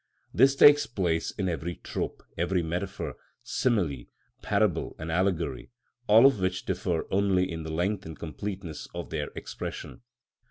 This takes place in every trope, every metaphor, simile, parable, and allegory, all of which differ only in the length and completeness of their expression.